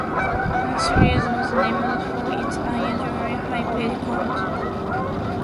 The series was named for its unusually high page count.